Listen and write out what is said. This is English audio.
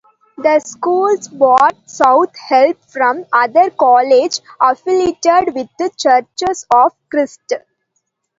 The school's board sought help from other colleges affiliated with Churches of Christ.